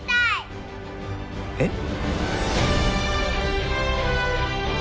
えっ？